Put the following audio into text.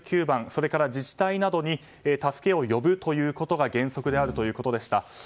それから自治体などに助けを呼ぶということが原則であるということでした。